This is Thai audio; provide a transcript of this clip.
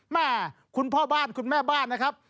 แม่คุณพ่อบ้านคุณแม่บ้านนะครับ